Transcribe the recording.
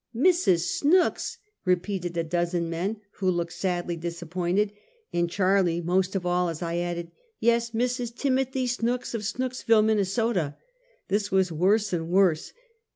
"Mrs. Snooks? " repeated a dozen men, who looked sadly disappointed, and Charlie most of all, as I added : "Yes; Mrs. Timothy Snooks, of Snooksville, Min nesota." This was worse and worse.